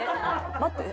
待って。